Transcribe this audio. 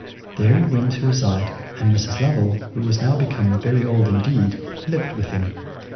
There he went to reside; and Mrs. Lovel, who was now become very old indeed, lived with him.